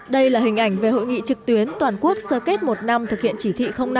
đây là hình ảnh về hội nghị trực tuyến toàn quốc sơ kết một năm thực hiện chỉ thị năm